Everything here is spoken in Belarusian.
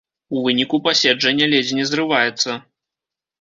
У выніку паседжанне ледзь не зрываецца.